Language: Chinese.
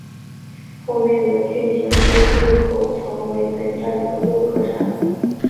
而后面的骏景路路口曾为本站的落客站。